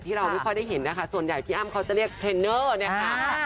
เราไม่ค่อยได้เห็นนะคะส่วนใหญ่พี่อ้ำเขาจะเรียกเทรนเนอร์เนี่ยค่ะ